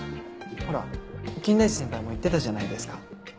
ほら金田一先輩も言ってたじゃないですか。